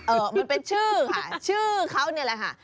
มันเป็นชื่อค่ะชื่อเขานี่แหละค่ะ